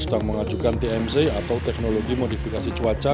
sedang mengajukan tmc atau teknologi modifikasi cuaca